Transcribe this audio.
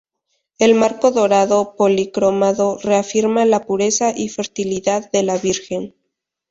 El marco dorado policromado reafirma la pureza y fertilidad de la virgen.